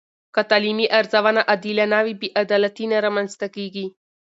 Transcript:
که تعلیمي ارزونه عادلانه وي، بې عدالتي نه رامنځته کېږي.